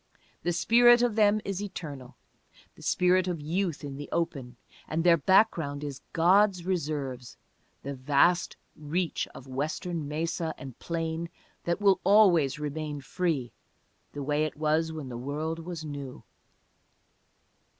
The spirit of them is eternal, the spirit of youth in the open, and their background is "God's Reserves," the vast reach of Western mesa and plain that will always remain free "the way that it was when the world was new."